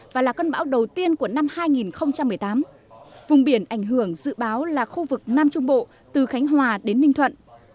và là cơn bão đầu tiên của năm hai nghìn một mươi tám vùng biển ảnh hưởng dự báo là khu vực nam trung bộ từ khánh hòa đến ninh thuận